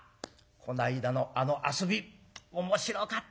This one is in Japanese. こないだのあの遊び面白かったね。